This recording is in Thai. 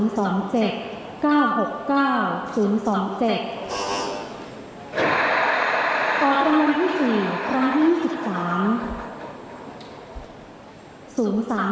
ต่อทะวันที่๔ครั้งที่๑๙